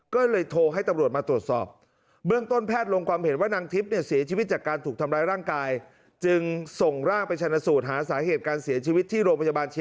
ขาสาเหตุการเสียชีวิตที่โรงพยาบาลเชียงรายประชานุเคราะห์